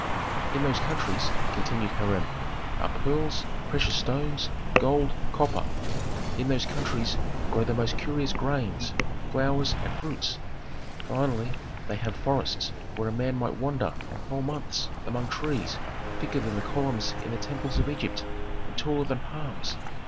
"In those countries," continued Hiram, "are pearls, precious stones, gold, copper; in those countries grow the most curious grains, flowers, and fruits; finally they have forests where a man might wander whole months among trees thicker than the columns in the temples of Egypt and taller than palms.